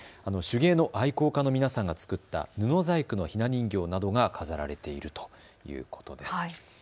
手芸の愛好家の皆さんが作った布細工のひな人形などが飾られているということです。